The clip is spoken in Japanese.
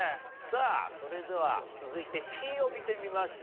さあそれでは続いてＣを見てみましょう。